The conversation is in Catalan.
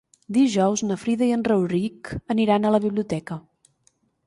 Dijous na Frida i en Rauric aniran a la biblioteca.